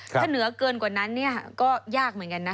ถ้าเหนือเกินกว่านั้นเนี่ยก็ยากเหมือนกันนะ